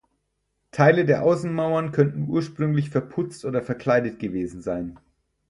Teile der Außenmauern könnten ursprünglich verputzt oder verkleidet gewesen sein.